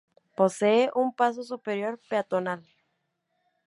Posee un paso superior peatonal.